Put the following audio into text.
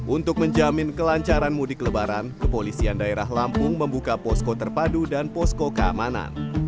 untuk menjamin kelancaran mudik lebaran kepolisian daerah lampung membuka posko terpadu dan posko keamanan